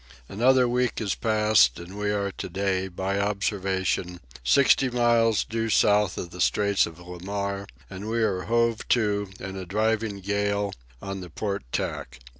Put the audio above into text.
Another week has passed, and we are to day, by observation, sixty miles due south of the Straits of Le Maire, and we are hove to, in a driving gale, on the port tack.